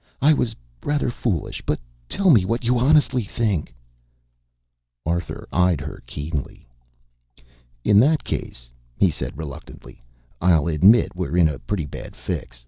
"I was rather foolish, but tell me what you honestly think." Arthur eyed her keenly. "In that case," he said reluctantly, "I'll admit we're in a pretty bad fix.